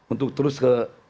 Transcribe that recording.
untuk terus ke